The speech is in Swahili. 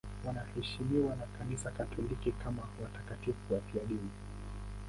Wanaheshimiwa na Kanisa Katoliki kama watakatifu wafiadini.